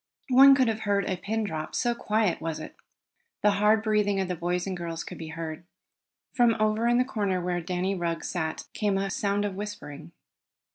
One could have heard a pin drop, so quiet was it. The hard breathing of the boys and girls could be heard. From over in a corner where Danny Rugg sat, came a sound of whispering.